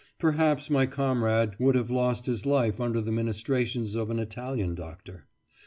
Perhaps my comrade would have lost his life under the ministrations of an Italian doctor.